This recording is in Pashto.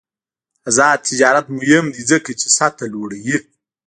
آزاد تجارت مهم دی ځکه چې سطح لوړوي.